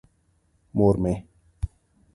مور مې.